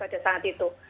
pada saat itu